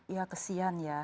ya kesian ya